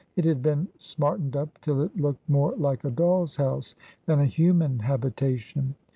It had been smartened up till it looked more like a doll's house than a human habitation.